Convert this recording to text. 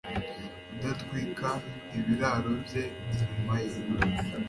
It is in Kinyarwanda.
kudatwika ibiraro bye inyuma ye